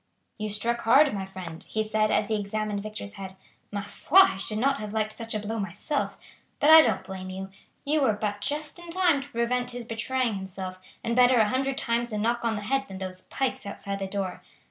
"You struck hard, my friend," he said as he examined Victor's head. "Ma foi, I should not have liked such a blow myself, but I don't blame you. You were but just in time to prevent his betraying himself, and better a hundred times a knock on the head than those pikes outside the door.